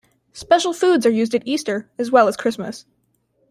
Special foods are used at Easter, as well as Christmas.